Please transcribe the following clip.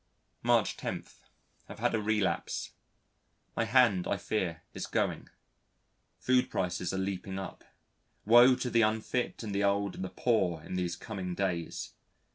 March 10. Have had a relapse. My hand I fear is going. Food prices are leaping up. Woe to the unfit and the old and the poor in these coming days!